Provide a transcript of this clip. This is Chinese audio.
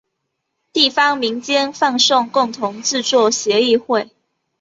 地方民间放送共同制作协议会。